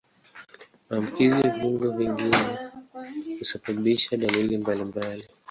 Maambukizi ya viungo vingine husababisha dalili mbalimbali.